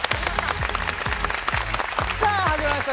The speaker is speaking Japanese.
さあ、始まりました